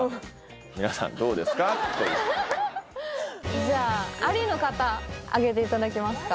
じゃあありの方あげていただけますか？